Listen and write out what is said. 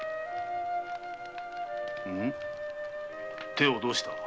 手をどうした？